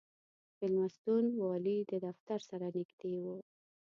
مېلمستون والي دفتر سره نږدې و.